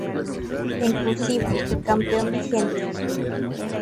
En "Cursiva," campeón vigente.